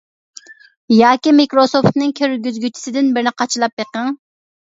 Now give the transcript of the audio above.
ياكى مىكروسوفتنىڭ كىرگۈزگۈچىسىدىن بىرنى قاچىلاپ بېقىڭ.